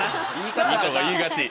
「さぁ」とか言いがち。